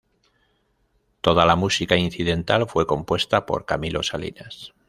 Toda la música incidental fue compuesta por Camilo Salinas.